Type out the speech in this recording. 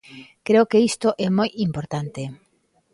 Creo que isto é moi importante.